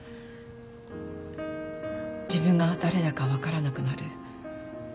自分が誰だか分からなくなる。